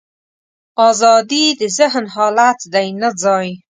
ازادي د ذهن حالت دی، نه ځای.